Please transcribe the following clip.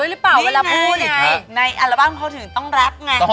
ในอัลบั้มเขาถึงต้องแร็ปไง